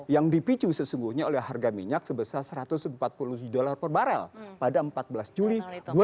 yang dipicu sesungguhnya oleh harga minyak sebesar satu ratus empat puluh tujuh dollar per barrel pada empat belas juli dua ribu delapan